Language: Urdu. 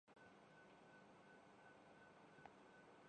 روپے فی کلو گرام میں فروخت کیا گیا